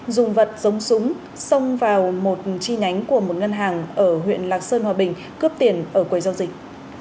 dùng vật giống súng xông vào một chi nhánh của một ngân hàng ở huyện lạc sơn hòa bình cướp tiền ở quầy giao dịch